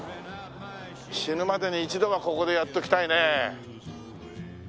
死ぬまでに一度はここでやっときたいね。